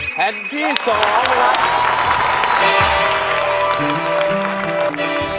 แผ่นที่สองค่ะ